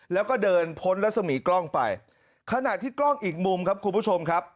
แล้วก็เดินพ้นรัศมีกล้องไปขณะที่กล้องอีกมุมครับคุณผู้ชมครับ